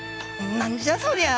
何じゃそりゃ。